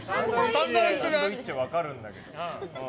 サンドイッチは分かるんだけど。